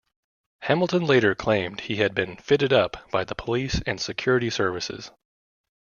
Hamilton later claimed he had been "fitted up" by the police and security services.